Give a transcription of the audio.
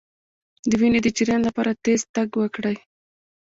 د وینې د جریان لپاره تېز تګ وکړئ